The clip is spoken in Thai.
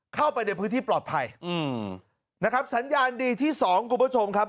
เข้าไปในพื้นที่ปลอดภัยอืมนะครับสัญญาณดีที่สองคุณผู้ชมครับ